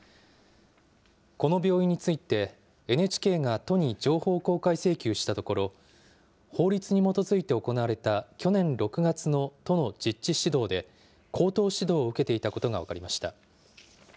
この病院について、ＮＨＫが都に情報公開請求したところ、法律に基づいて行われた去年６月の都の実地指導で、口頭指導を受けていたことが分かりました。